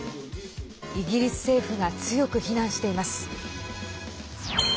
イギリス政府が強く非難しています。